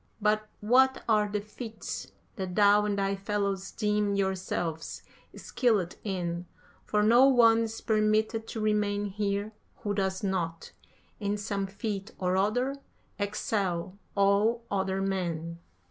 But what are the feats that thou and thy fellows deem yourselves skilled in, for no one is permitted to remain here who does not, in some feat or other, excel all other men.'